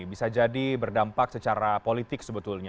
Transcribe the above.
bisa jadi berdampak secara politik sebetulnya